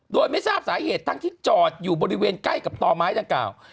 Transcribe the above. โดยไม่ทราบสาเหตุทั้งที่จอดอยู่บริเวณใกล้กับต่อไม้ดังกล่าว